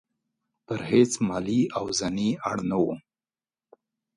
پر هیڅ مالي او ځاني اړ نه وو.